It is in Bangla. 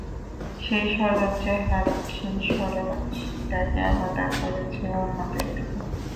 সেই সরল চেহারা, সেই সরল হাসিই তাঁকে আলাদা করেছে অন্যদের থেকে।